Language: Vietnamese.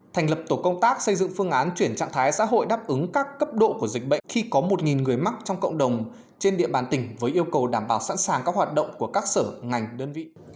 thành lập tổ công tác xây dựng phương án chuyển trạng thái xã hội đáp ứng các cấp độ của dịch bệnh khi có một người mắc trong cộng đồng trên địa bàn tỉnh với yêu cầu đảm bảo sẵn sàng các hoạt động của các sở ngành đơn vị